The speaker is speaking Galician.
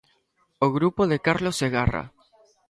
O grupo de Carlos Segarra.